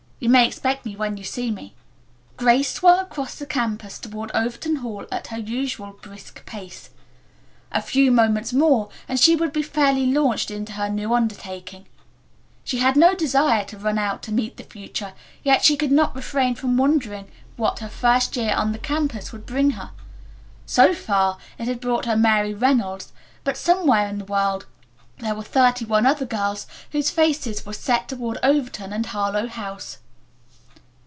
You may expect me when you see me." Grace swung across the campus toward Overton Hall at her usual brisk pace. A few moments more and she would be fairly launched in her new undertaking. She had no desire to run out to meet the future, yet she could not refrain from wondering what her first year on the campus would bring her. So far it had brought her Mary Reynolds, but somewhere in the world there were thirty one other girls whose faces were set toward Overton and Harlowe House.